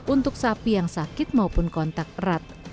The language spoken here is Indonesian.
untuk sapi yang sakit maupun kontak erat